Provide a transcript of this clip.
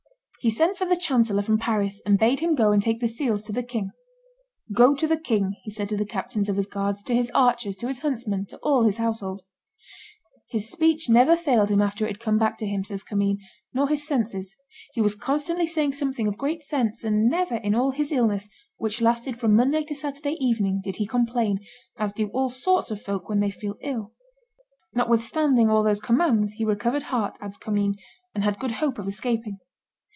He sent for the chancellor from Paris, and bade him go and take the seals to the king. "Go to the king," he said to the captains of his guards, to his archers, to his huntsmen, to all his household. "His speech never failed him after it had come back to him," says Commynes, "nor his senses; he was constantly saying something of great sense and never in all his illness, which lasted from Monday to Saturday evening, did he complain, as do all sorts of folk when they feel ill. ... "Notwithstanding all those commands he recovered heart," adds Commynes, "and had good hope of escaping."